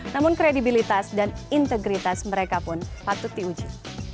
namun kredibilitas dan integritas mereka pun patut diuji